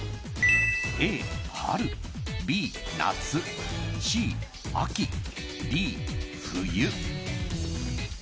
Ａ、春Ｂ、夏Ｃ、秋Ｄ、冬。